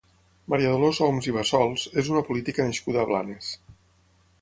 Maria Dolors Oms i Bassols és una política nascuda a Blanes.